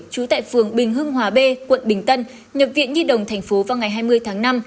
trú tại phường bình hưng hòa b quận bình tân nhập viện nhi đồng tp vào ngày hai mươi tháng năm